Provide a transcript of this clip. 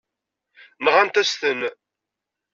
Nɣant-as-ten.